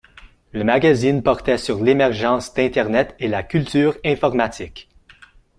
Le magazine portait sur l'émergence d'Internet et la culture informatique.